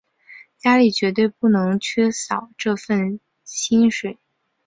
家里绝对不能再缺少这份薪水